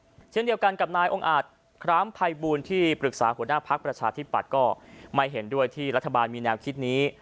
เช่นเดียวกันกับนายองค์อาจคร้ามภัยบูลที่ปรึกษาหัวหน้าภักดิ์ประชาธิปัตย์ก็ไม่เห็นด้วยที่รัฐบาลมีแนวคิดนี้